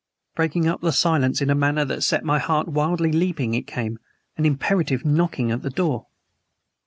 Breaking up the silence in a manner that set my heart wildly leaping it came an imperative knocking on the door!